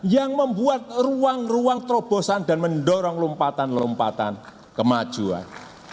yang membuat ruang ruang terobosan dan mendorong lompatan lompatan kemajuan